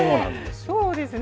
そうですね。